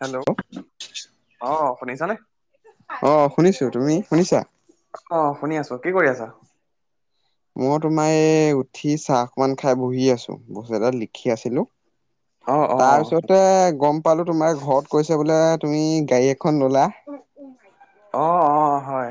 Hello, অ, শুনিছ নে? অ, শুনিছো। তুমি শুনিছা? অ, শুনি আছো। কি কৰি আছা? মই তোমাৰ এই উঠি চাহ অকমান খাই বহি আছো, বস্তু এাত লিখি আছিলো। অ অ তাৰপিছতে গম পালো, তোমাৰ ঘৰত কৈছে বোলে তুমি গাড়ী এখন ললা। অ, অ, হয়।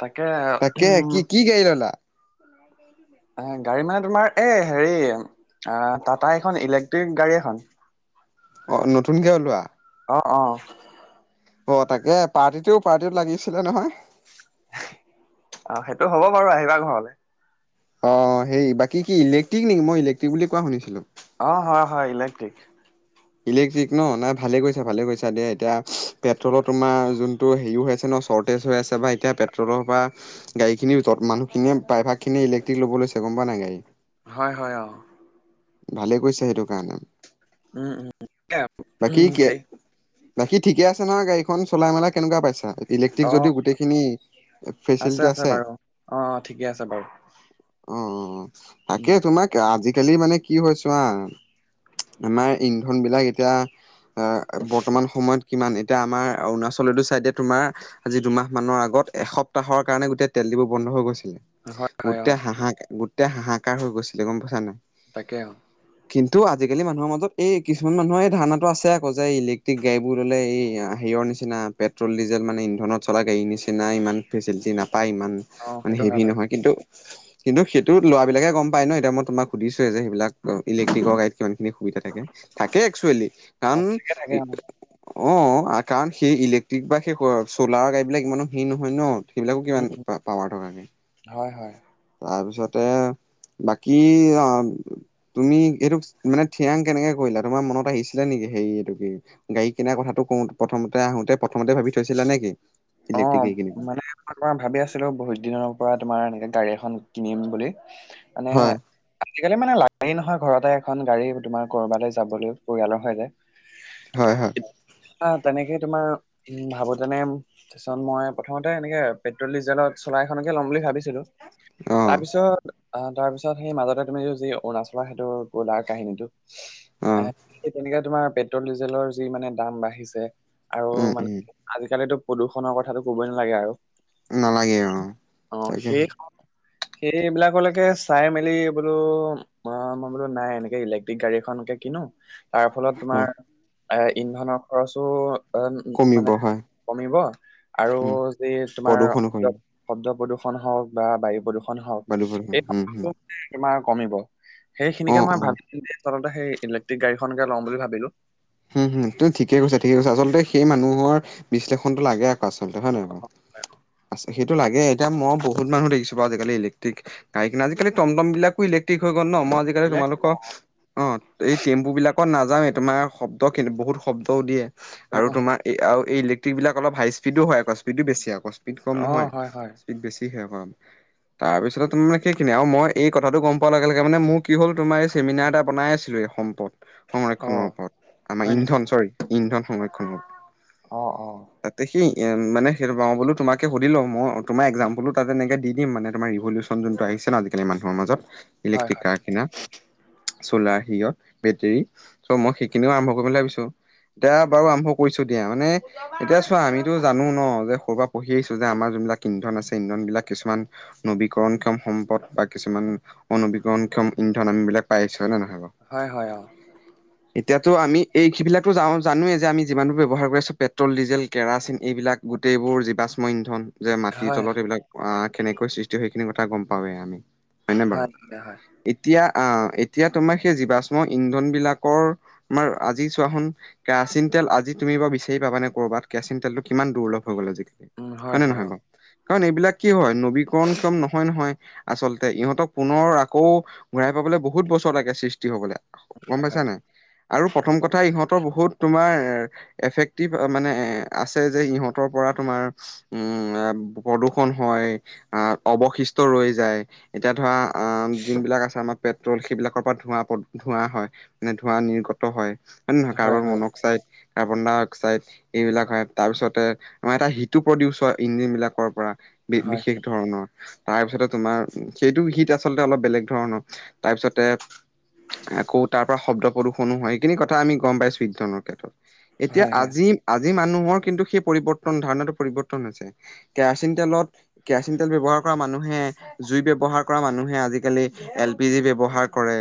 তাকে তাকে উম কি-কি ললা? গাড়ী মানে তোমাৰ এই হেৰি অ টাটা এখন ইলেক্ট্ৰিক গাড়ী এখন। অ, নতুনকে ওলোৱা? অ, অ, অ, তাকে পাৰ্টিটো-পাৰ্টিতটো লাগিছিলে নহয়। অ, সেইটো হ'ব বাৰু আহিবা ঘৰলে। অ, হেৰি বাকী কি ইলে্ট্ৰিক নেকি মই ইলেক্ট্ৰিক বুলি কোৱা শুনিছিলো। অ, হয়-হয় ইলেক্ট্ৰিক। ইলেক্ট্ৰিক ন নাই ভালে কৰিছা ভালে কৰিছা দে এতিয়া পেট্ৰলৰ তোমাৰ যোনটো হেৰিও হৈ আছে ন। চৰ্টেজ হৈ আছে বা এতিয়া পেট্ৰলৰ পৰা গাড়ীখিনিত মানুহখিনিয়ে প্ৰায় ভাগ খিনে ইলেক্টিক লব লৈছে গম প নাই গাড়ী। হয়-হয় অ, ভালে কৈছে সেইটো কাৰণে। উম, উম, তাকে, বাকী উম কে সেই বাকী ঠিকে আছে নহয় গাড়ীখন চলাই মেলাই কেনেকুৱা পাইছা। ইলেক্ট্ৰিক অ যদিও গোটেইখিনি ফেচিলিটি আছে। বাৰু অ ঠিকে আছে বাৰু অ, তাকে উম তোমাক আজিকালি মানে কি হৈছো আ, আমাৰ ইন্ধন বিলাক এত এতিয়া আ বৰ্তমান সময়ত কিমান এতিয়া আমাৰ অৰুণাচলেটো চাইডে তোমাৰ আজি দুমাহ মানৰ আগত এসপ্তাহৰ কাৰণে গোটেই তেল ডিপো বন্ধ হৈ গৈছিলে। হয় হয় অ গোটেই হাহাক গোটেই হাহাকাৰ হৈ গৈছিলে গম পাইছা নাই। তাকে কিন্তু আজিকালি মানুহৰ মাজত এই কিছুমান মানুহে ধাৰাতটো আছে আকৌ যে ইলেক্ট্ৰিক গাড়ী বোৰ ল'লে এই হেৰি নিচিনা পেট্ৰলিজেল মানে ইন্ধনত, চলা গাড়ীৰ নিচিনা ইমান ফেচিলিটি নাপায় ইমান অ মানে সেইটো হয় হেভি বাৰু নহয় কিন্তু কিন্তুেইটো লৰাবিলাকে গম প ন এতিয়া মই তোক সুধিছোৱে যে সেইবিলাক ইলেক্ট্ৰিকেল গাৰীত কি সুবিধা থাকে-থাকে একচুৱেলি কাৰণ থাকে থাকে অ, আ, কাৰণ সেই ইলেক্ট্ৰিক বা সেই স চলাৰ গাড়ী বিলাক ইমানো হেৰি নহয় ন। সেইবিলাকো কিমান পা পাৱাৰ থকা গাৰি। হয়-হয়। তাৰপিছতে উ বাকী আ তুমি এইটোক মানে থিয়াং কেনেকে কৰিলা তোমাৰ মনত আহিছিলে নেকি হে এইটো কি? গাড়ী কিনাৰ কথাটো কওঁত প্ৰথমতে আহোতে, প্ৰথমতে ভাবি থৈছিলা নেকি? ইলেক্ট্ৰিক অহ, গাড়ী কিনিম মানে অকমান ভাবি আছিলো বহুত দিনৰ পৰা তোমাৰ এনেকে গাড়ী এখন কিনিম বুলি। মানে হয় আজিকালি মানে লাগেই নহয় ঘৰতে এখন গাড়ী তোমাৰ ক'ৰবালে যাবলৈ পৰিয়ালৰ সৈতে। হয়-হয়। আহ, তেনেকে তোমাৰ উম, ভাবোতে মানে তাৰপিছত মই প্ৰথমতে এনেকে পেট্ৰল-ডিজেলত চলাইখনকে ল'ম বুলি ভাবিছিলো। অ তাৰপিছত আহ, তাৰপিছত সেই মাজতে তুমি যি অৰুণাচলৰ সেইটো গোলাৰ কাহিনীটো অ এ যেনেকে তোমাৰ পেট্ৰল-ডিজেলৰ যি মানে দাম বাঢ়িছে। আৰু উম উম মানে আজিকালিতো প্ৰদূষণৰ কথাটো কবই নালাগে আৰু। নালাগে অ অ, তাকেহে শেষ সেইবিলাকলৈকে চাই মেলি বোলো অ, মই বোলো নাই এনেকে ইলেক্ট্ৰিক গাড়ী এখনকে কিনো। তাৰ ফলত অ তোমাৰ এ ইন্ধনৰ খৰচো কমিব মানে হয় কমিব, আৰু উম যে তোমাৰ প্ৰদূষণো কমিব শব্দ-শব্দ প্ৰদূষণ হওক বা বায়ু প্ৰদূষণ বায়ু প্ৰদূষণ উম হুম [unintelligible] তোমাৰ কমিব অ সেইখিনিকে মই অ ভাবি চিন্টি আচলতে সেই ইলেক্ট্ৰিক গাড়ীখনকে লম বুলি ভাবিলো হুম হুম, তুমি ঠিকে কৈছা ঠিকে কৈছা আচলতে সেই মানুহৰ বিশ্লেষণটো লাগে আক আচলতে হয় নাই বাৰু, আচ সেইটো লাগে এতিয়া মই বহুত মানুহ দেখিছো বাৰু আজিকালি ইলেক্ট্ৰিক গাড়ী কিনা আজিকালি টম টম বিলাকো ইলেক্ট্ৰিক হৈ গ'ল ন, মই আজি গাড়ী ইলেক্ট্ৰিক তোমালোকৰ অ এই টেম্পু বিলাকত নাযাওৱে তোমাৰ শব ত কিন্তু বহুত শব্দও দিয়ে অ আৰু তোমাৰ এই আৰু এই ইলেক্ট্ৰিক বিলাক অলপ হাই স্পীডো হয় আকৌ স্পীডো বেছি আকৌ স্পীড কম নহয় হয় হয় স্পীড বেছি হে অকন তাৰপিছতে তাৰ মানে সেইখিনি আৰু মই এই কথাটো গম পোৱাৰ লগে লগে মানে মোক কি হ'ল তোমাৰ এই চেমিনাৰ এটা বনাই আছিলো এই সম্পদ অ সংৰক্ষণৰ ওপৰত। আমাৰ হয় নেকি ইন্ধ ন চৰি ইন্ধন সংৰক্ষণৰ অ অ। তাতে সি ইয়ে মানে সেইটো পাৰো বোলো তোমাকে সুধিলো আও মই তোমাৰ একজাম্পোলো তাত তেনেকে দি দিম মানে তোমাৰ ৰিভলিউচন [unintelligible] যোনটো আহিছে না আজিকালি মানুহৰ মাজত হয় ইলেক্ট্ৰিক হয় কাৰ কিনা চলাৰ হেৰিঅত বেটেৰী ত' মই সেইখিনিও আৰম্ভ কৰিম বুলি ভাবিছো। এতিয়া বাৰু আৰম্ভ কৰিছো দিয়া মানে এতিয়া চোৱা আমিতো জানো ন যে সৰুৰ পৰা পঢ়ি আহিছো যে আমাৰ যোনবিলাক ইন্ধন আছে ইন্ধন বিলাক কিছুমান নবীকৰণ ক্ষম সম্পদ বা কিছুমান অনবীকৰণ ক্ষম ইন্ধন আমিবিলাক পাই আছো হয় নে নহয় বাৰু? হয় হয়, অ। এতিয়াতো আমি এই সিবিলাকতো যা অ জানোৱেই যে আমি যিমানবোৰ ব্যৱহাৰ কৰি আছোঁ পেট্ৰল, ডিজেল, কেৰাচিন এইবিলাক গোটেইবোৰ জীৱাশ্ম ইন্ধন। যে মাটিৰ হয় তলত এইবিলাক আহ কেনেকৈ সৃষ্টি হয় সেইখিনি কথা গম পাওৱে আমি। হয় নে বাৰু? হয় হয় এতিয়া আহ এতিয়া তোমাৰ সেই জীৱাশ্ম ইন্ধন বিলাকৰ আমাৰ আজি চোৱাসোন কেৰাচিন তেল আজি তুমি বাৰু বিচাৰি পাবানে কৰ'বাত কেৰাচিন তেলতটো কিমান দূৰ্লভ হৈ গ'ল আজিকা উম হয় হয়নে হয় অ নহয় বাৰু? কাৰণ এইবিলাক কি হয় নবীকৰণ ক্ষম নহয় নহয়। আচলতে ইহঁতক পুনৰ আকৌ ঘূৰাই পাবলৈ বহুত বছৰ লাগে সৃষ্টি হবলে। গম হয় পাইছা নাই? আৰু প্ৰথম কথা ইহঁতৰ বহুত তোমাৰ এ এফেক্টিভ আ মানে এ এ আছে যে ইহঁতৰ পৰা তোমাৰ উম প্ৰদূষন হয় আহ অৱশিষ্ট ৰৈ যায়। এতিয়া ধৰা আ যোন বিলাক আছে আমাৰ পেট্ৰল সেইবিলাকৰ পৰা ধোৱা ধোৱা হয়, মানে ধোৱা নিৰ গত হয়, হয় নহয়? Carbon monoxide, carbon dioxide এইবিলাক হয় তাৰ পিছতে আমাৰ এটা হিটো প্ৰডিউচ হয় ইঞ্জিন বিলাকৰ পৰা। হয় বিশেষ হয় ধৰণৰ। তাৰপিছতে তোমাৰ সেইটো হিত আচলতে অলপ বেলেগ ধৰণৰ, তাৰপিছতে আকৌ তাৰ পৰা শব্দ প্ৰদূষণো হয়, সেইখিনি কথা আমি গম পাইছোঁ ইন্ধনৰ ক্ষেত্ৰত। এতিয়া হয় আজি আজি মানুহৰ কিন্তু সেই পৰিৱৰ্তন ধাৰণা পৰিৱৰ্তন হৈছে। কেৰাচিন তেলত কেৰাচিন তেল ব্যৱহাৰ কৰা মানুহে জুই ব্যৱহাৰ কৰা মানুহে আজিকালি এল পি জি ব্যৱহাৰ কৰে।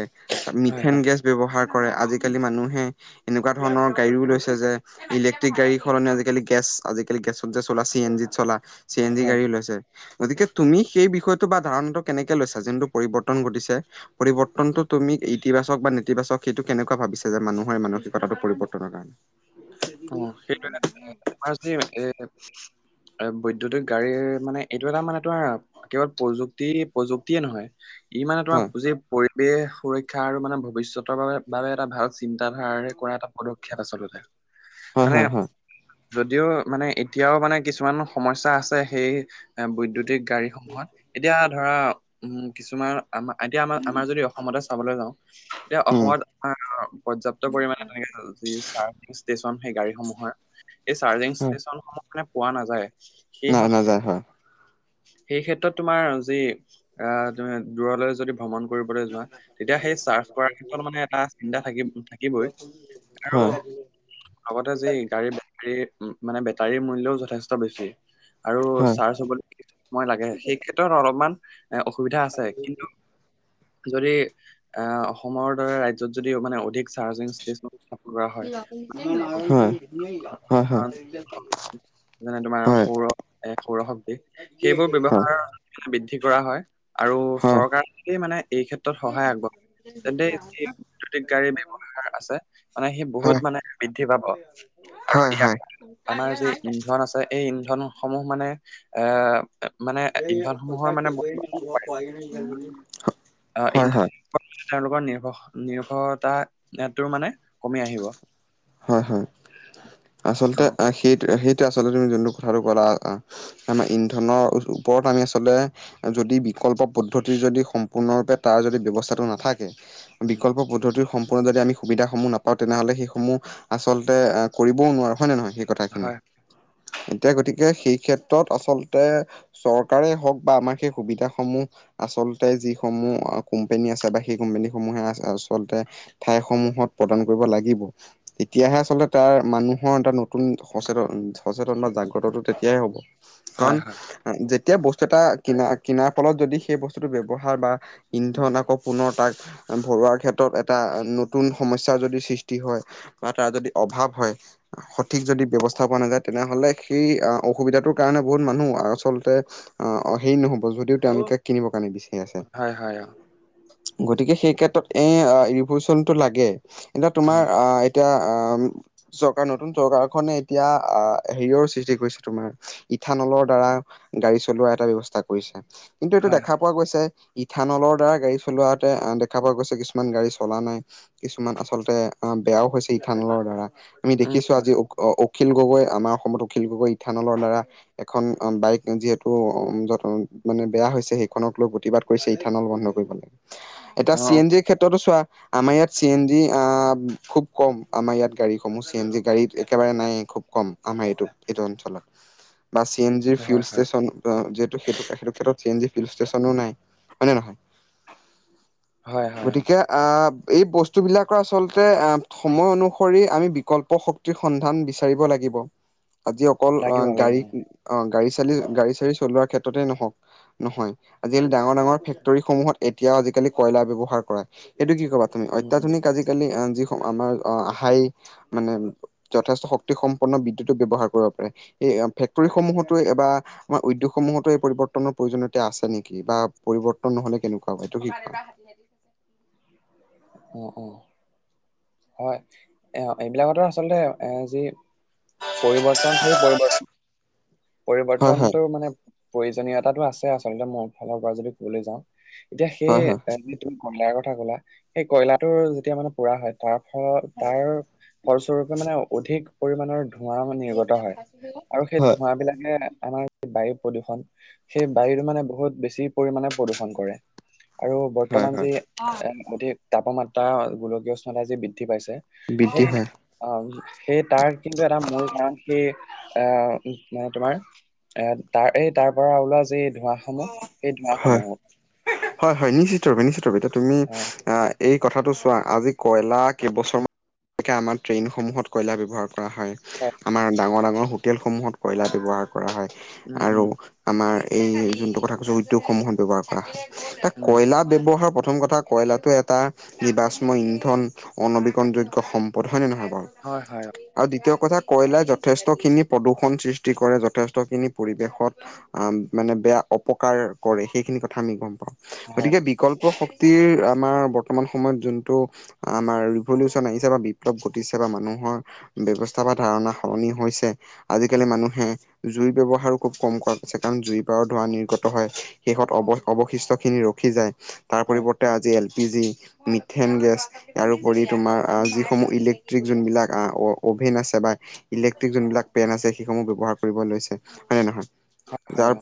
হয় মিথেন হয় গেছ ব্যৱহাৰ কৰে। আজিকালি মানুহে এনেকুৱা ধৰণৰ গাড়ীও লৈছে যে ইলেক্ট্ৰিক গাড়ী সলনি আজিকালি গেছ আজিকালি গেছত যে চলা চি এন জিত চলা চি এন জি হয় গাড়ীও হয় লৈছে। গতিকে তুমি সেই বিষয়টো বা ধাৰণাটো কেনেকে লৈছা যোনটো পৰিবৰ্তন ঘটিছে? পৰিৱৰ্তনটো তুমি ইতিবাচক বা নেতিবাচক সেইটো কেনেকুৱা ভাবিছে যে মানুহৰ মানসিকতাটো পৰিৱৰ্তনৰ কাৰণে? অ সেইটো আমাৰ যি এ এ বৈদ্যুতিক গাড়ীৰ মানে এইটো এটা মানে তোমাৰ কেৱল প্ৰযুক্তি প্ৰযুক্তিয়ে নহয় ই মানে হয় তোমাৰ যি পৰিৱেশ সুৰক্ষা আৰু মানে ভৱিষ্যতৰ বাবে বাবে এটা ভাল চি চিন্তাধাৰাৰে কৰা এটা পদক্ষেপ আচলতে। হয় মানে হয় হয় যদিও মানে এতিয়াও মানে কিছুমান সমস্যা আছে সেই এ বৈদ্যুতিক গাড়ীসমূহত এতিয়া ধৰা উম, কিছুমান আমাৰ এতিয়া আমাৰ আমাৰ যদি অসমতে চাবলে যাওঁ এতিয়া অসমত উম আহ পৰ্যাপ্ত পৰিমানে তেনেকে যি চাৰ্জিং ষ্টেচন সেই গাড়ীসমূহৰ এই চাৰ্জিং ষ্টেচনসমূহ মানে পোৱা নাযায়। নাই নাযায় হয়। এই ক্ষেত্ৰত তোমাৰ যি আহ তুমি দূৰলৈ যদি ভ্ৰমণ কৰিবলৈ যোৱা তেতিয়া সেই চাৰ্চ কৰাৰ ক্ষেত্ৰত মানে এটা চিন্তা থা থাকিবই আৰু হয়। লগতে যি গাড়ীৰ বেটাৰী মানে বেটাৰীৰ মূল্যও যথেষ্ট বেছি। আৰু হয় চাৰ্জ হ'বলৈ সময় লাগে সেই ক্ষেত্ৰত অলপমান এ অসুবিধা আছে কিন্তু যদি আহ অসমৰ দৰে ৰাজ্যত যদি মানে অধিক চাৰ্জিং ষ্টেচন কৰা হয়। হয় হয় হয় কাৰ মানে তোমাৰ হয় হয় সৌৰ এ সৌৰ শক্তি সেইবোৰ হয় হয় ব্যৱহাৰ বৃদ্ধি কৰা হয়। আৰু চৰকাৰ খনেই মানে এই ক্ষেত্ৰত সহায় আগবঢ়াই। তেন্তে যি ইলেক্ট্ৰিক গাড়ী ব্যৱহাৰ আছে মানে সি হয় বহুত মানে বৃদ্ধি পাব। আৰু হয় এয়া আমাৰ যে ইন্ধন আছে এই ইন্ধন সমূহ মানে এ মানে ইন্ধন সমূহৰ মানে বচাব [unintelligible] পাৰে। পাই ন অ। আহ ইন্ধনৰ তেওঁলোকৰ নিৰ্ভ নিৰ্ভতাটো মানে। কমি আহিব অ হয়, হয় আচলতে। সেইটোৱে সেইটো আচলতে তুমি যোনটো কথাটো ক'লা আমাৰ ইন্ধনৰ ওপৰত আমি আচলতে যদি বিকল্প পদ্ধতিৰ যদি সম্পূৰ্ণৰূপে তাৰ যদি ব্যৱস্থাটো নাথাকে উম বিকল্প পদ্ধতিৰ সম্পূৰ্ণ যদি আমি সুবিধাসমূহ নাপাওঁ তেনেহ'লে সেইসমূহ আচলতে কৰিবও নোৱাৰো। হয় নে নহয়? কথাখিনি, হয় এতিয়া গতিকে সেই ক্ষেত্ৰত আচলতে চৰকাৰে হওঁক বা আমাৰ সেই সুবিধাসমূহ আচলতে যিসমূহ কোম্পানী আছে বা সেই কোম্পানীসমূহে আচলতে ঠাইসমূহত প্ৰদান কৰিব লাগিব। তেতিয়াহে আচলতে তাৰ মানুহৰ এটা নতুন সচেতন, সচেতন বা জাগ্ৰতটো তেতিয়াহে হ'ব। হয় কাৰণ হয় যেতিয়া বস্তু এটা কিনা, কিনাৰ ফলত যদি সেই বস্তুটো ব্যৱহাৰ বা। ইন্ধন আকৌ পুনৰ তাক ভৰোৱাৰ ক্ষেত্ৰত এটা নতুন সমস্যা। যদি সৃষ্টি হয় বা তাৰ যদি অভাৱ হয়। সঠিক যদি ব্যৱস্থা পোৱা নাযায় তেনেহলে সেই অসুবিধাটোৰ কাৰণে বহুত মানুহ আচলতে। অ, অ হেৰি নহ'ব যদিও তেওঁ লোকে কিনিবৰ কাৰণ নিছে। হয়, হয়। গতিকে সেই ক্ষেত্ৰত এ ৰিভলিচন টো লাগে। এতিয়া তোমাৰ হয় এতিয়া। চৰকাৰ নতুন চৰকাৰখনে এতিয়া আহ হেৰিয়ৰ সৃষ্টি কৰিছে তোমাৰ। ইথানলৰ দ্বাৰা গাড়ী চলোৱা এটা ব্যৱস্থা কৰিছে কিন্তু এইটো হয় দেখা হয় পোৱা গৈছে। ইথানলৰ দ্বাৰা গাড়ী চলোৱাতে দেখা পোৱা গৈছে কিছুমান গাড়ী চলা নাই। কিছুমান আচলতে অ' বেয়াও হৈছে ইথানলৰ দ্বাৰা আমি উম দেখিছো হয় আজি। অখিল গগৈ আমাৰ অসমত অখিল গগৈ ইথানলৰ দ্বাৰা এখন বাইক যিহেতু য মানে বেয়া হৈছে সেইখনক লৈ প্ৰতিবাদ। হৈছে ইথানল বন্ধ কৰিব লাগে। [inaudible] এটা চি এন জিৰ ক্ষেত্ৰতো চোৱা আমাৰ ইয়াত চি এন জি খুব কম আমাৰ ইয়াত গাড়ীসমূহ চি এন জি গাড়ীত একেবাৰে নাই খুব কম। আমি এইটো -এইটো অঞ্চলৰ [inaudible] বা চি এন জিৰ হয় ফিউল হয় ষ্টেচন যিহেতু সেতু - সেতু ক্ষেত্ৰত চি এন জি ফিউল ষ্টেচনো নাই হয় নে নহয়? হয় হয় অ গতিকে আ এই বস্তু বিলাকৰ আচলতে সময় অনুসৰি আমি বিকল্প শক্তি সন্ধান বিচাৰিব লাগিব। আজি অকল লাগিব আহ, লাগিব গাড়ী অ অ, গাড়ী চালি গাড়ী- চাৰি চলোৱাৰ ক্ষেত্ৰতে নহওক নহয় আজিকালি ডাঙৰ- ডাঙৰ ফেক্টৰী সমূহত এতিয়াও আজিকালি কয়লা ব্যৱহাৰ কৰে এইটো কি ক'বা? তুমি উম উম অত্যাধুনিক আজিকালি এ যি সমূহ আমাৰ অহ, হাই মানে যথেষ্ট শক্তিসম্পন্ন বিদ্যুতক ব্যৱহাৰ কৰিব পাৰে এই ফেক্টৰীসমূহতো এবাৰ আমাৰ উদ্যোগসমূহতো এই পৰিৱৰ্তনৰ প্ৰয়োজনীয়তা আছে নেকি বা পৰিৱৰ্তন নহ'লে কেনেকুৱা হ'ব এইটো শিক [inaudible] উম -উম অয় আহ, এইবিলাকটো আচলতে এ যি পৰিৱৰ্তন সেই পৰিৱৰ্ত হয় হয় পৰিৱৰ্তনটোৰ মানে প্ৰয়োজনীয়তাটো আছে আচলতে মোৰ ফালৰ পৰা যদি ক'বলৈ যাওঁ। এতিয়া সেই হয় হয় এই যি তুমি কয়লাৰ কথা সেই কয়লাটোৰ যেতিয়া মানে পুৰা হয় তাৰ ফা তাৰ ফলস্বৰূপে মানে অধিক পৰিমানৰ ধোঁৱা মানে নিৰ্গত হয় আৰু সেই হয় এইবিলাকে আমাৰ বায়ু প্ৰদূষণ সেই বায়ুৰ মানে বহুত বেছি পৰিমণে প্ৰদূষণ কৰে। আৰু হয় বৰ্তমান যি হয় এ অতিক তাপমাত্ৰা গোলকীয় উষ্ণতা যি বৃদ্ধি পাইছে বৃদ্ধি সেই হয় আ, সেই তাৰ কিন্তু এটা মূল কাৰণ সেই আ মানে তোমাৰ এ তাৰ এই তাৰ পৰা ওলোৱা যি ধোঁৱা সমূহ সেই ধোঁৱা সমূহো হয়-হয় নিশ্চিতৰূপে -নিশ্চিতৰূপে নিশ্চিত ৰপে এতিয়া তুমি আহ, আহ এই কথাটো চোৱা আজি কয়লা কেইবছৰমান তেনেকাআমাৰ ট্ৰেইনসমূহত কয়লা ব্যৱহাৰ কৰা হয়। আমাৰ ডাঙৰ হডাঙৰ হোটেলসমূহত কয়লা ব্যৱহাৰ। কৰা হয় উম আৰু উম আমাৰ এই জোনটো কথা কৈছোঁ উদ্যোগ সমূহত ব্যৱহাৰ ব্যৱহাৰ কৰা হয়। এ উম কয়লাৰ ব্যৱহাৰৰ প্ৰথম কথা কয়লাটো এটা জীৱাশ্ম ইন্ধন। অনবীকণ উম। যোগ্য সম্পদ হয়নে নহয় বাৰু। হয় হয় আৰু দ্বিতীয় কথা কয়লাই যথেষ্ট খিনি প্ৰদূষণ সৃষ্টি কৰে যথেষ্ট খিনি পৰিৱেশত আহ, মানে বেয়া অপকাৰ কৰে সেইখিনি কথা আমি গম পাওঁ হয় গতিকে বিকল্প শক্তি তে আমাৰ বৰ্তমান সময়ত যোনটো আমাৰ পলিউচন আহিছে বা বিপ্লৱ ঘটিছে বা মানুহৰ ব্যৱস্থা বা ধাৰণা সলনি হৈছে। আজিকালি মানুহে জুইৰ ব্যৱহাৰো খুব কম কৰা হৈছে কাৰণ জুই পৰাও ধোৱাঁ নি গত হয় শেষত অৱ অৱশিষ্ট খিনি ৰখি যায় তাৰ হয় পৰিৱৰ্তে আজি L P G. Methane gas ইয়াৰোপৰি তোমাৰ যিসমূহ ইলেক্ট্ৰিক যোনবিলাক আ অ অ'ভিন আছে বা ইলেক্ট্ৰিক যোনবিলাক পেন আছে সেইসমূহ ব্যৱহাৰ কৰিব লৈছে হয় নে নহয় হয়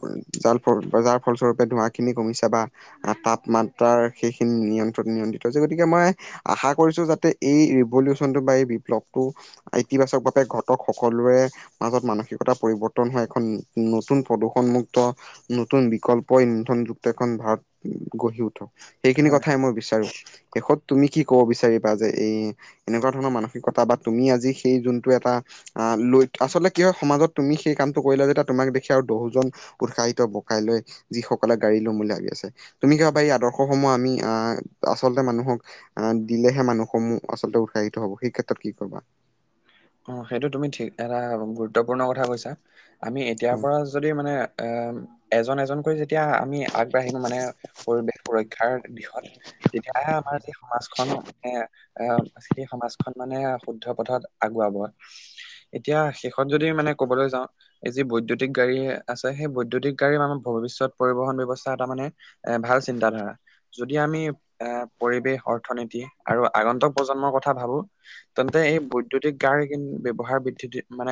যাৰ বজাৰ ফলস্বৰূপে ধোঁৱা খিনি কমি ক বা অ, তাপমাত্ৰাৰ সেইখিনি নিয়ন্ত্ৰণ- নিয়ন্ত্ৰিত যে গতিকে মই আশা কৰিছো যাতে এই ৰিভলিউচনটো বা এই বিপ্লৱটো ইতিবাচক ভাৱে ঘটক সকলোৰে মাজত মানসিকতা পৰিৱৰ্তন হয় এখন নতুন প্ৰদূষণমুক্ত নতুন বিকল্পই ইন্ধনযুক্ত এখন ভাৰত গঢ়ি উঠক। এইখিনি হয় কথাই মই বিচাৰো শেষত তুমি কি কব বিচাৰিবা যে এই এনেকুৱা ধৰণৰ মানসিকতা বা তুমি আজি সেই যোনটো এটা আহ, লৈ আচলতে কি হয় সমাজত তুমি সেই কামটো কৰি লা যেতিয তোমাক। দেখি আৰু দহোজন উৎসাহিত মম, হগলো কাইলৈ যিসকলে গাড়ী লমবুলি লাগি আছে তুমি কিবা হয় পাৰি। এই আদৰ্শ [unintelligible] সমূহ আমি আচলতে মানুহক আহ, দিলেহে মানুহসমূহ আচলতে উৎসাহিত হ'ব সেই ক্ষেত্ৰত কি ক'বা। অ, সেইটো তুমি ঠিক এটা গুৰুত্বপূৰ্ণ কথা কৈছা। আমি এতিয়াৰ পৰা যদি মানে অ, এজন-এজনকৈ যেতিয়া আমি আগবাঢ়িম মানে পৰিৱেশ সুৰক্ষাৰ দিশত। তেতিয়াহে আমাৰ যি সমাজখনো মানে এ, এ, সেই সমাজখন মানে শুদ্ধ পথত আগুৱাব এতিয়া শেষত যদি মানে কবলে যাওঁ, এই যি বৈদ্যুতিক গাড়ী আছে, সেই বৈদ্যুতিক গাড়ী আমাৰ ভৱিষ্যত পৰিবহন ব্যৱস্থা এটা মানে এ ভাল চিন্তাধাৰা। যদি আমি এ পৰিৱেশ অৰ্থনীতি আৰু আগন্তক প্ৰজন্মৰ কথা ভাবো, তেন্তে এই বৈদ্যুতিক গাৰি কিন্তু ব্যৱহাৰ বৃদ্ধি মানে